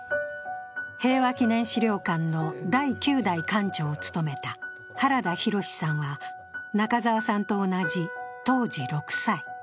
平和記念資料館の第９代館長を務めた原田浩さんは中沢さんと同じ当時６歳。